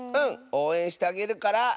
おうえんしてあげるから。